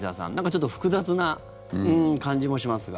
ちょっと複雑な感じもしますが。